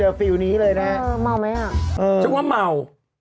เออเมาไหมอ่ะชื่อว่าเมา